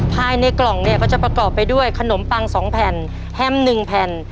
ภายในกล่องเนี่ยก็จะประกอบไปด้วยขนมปัง๒แผ่นแฮม๑แผ่น